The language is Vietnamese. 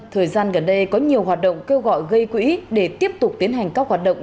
thời gian gần đây có nhiều hoạt động kêu gọi gây quỹ để tiếp tục tiến hành các hoạt động